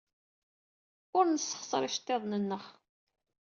Ur nessexṣer iceḍḍiḍen-nneɣ.